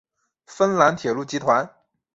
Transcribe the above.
芬兰铁路集团。